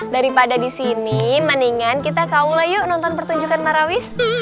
daripada disini mendingan kita kaulah yuk nonton pertunjukan marawis